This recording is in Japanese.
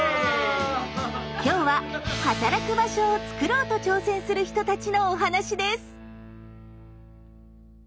今日は働く場所をつくろうと挑戦する人たちのお話です。